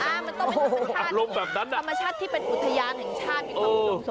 อ่ามันต้องเป็นธรรมชาติที่เป็นอุทยานแห่งชาติ